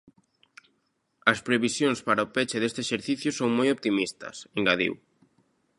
"As previsións para o peche deste exercicio son moi optimistas", engadiu."